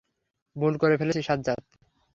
ভুল করে ফেলেছি সাজ্জাদ!